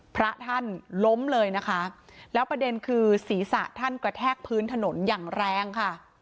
พระท่านล้มเลยนะคะแล้วประเด็นคือศีรษะท่านกระแทกพื้นถนนอย่างแรงค่ะ